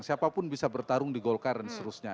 siapapun bisa bertarung di golkar dan seterusnya